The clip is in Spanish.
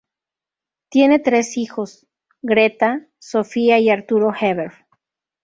Tienen tres hijos: Greta, Sofía y Arturo Heber.